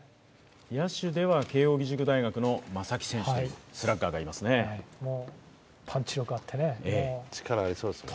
野手では慶応義塾大学の正木選手というスラッガーがいますね。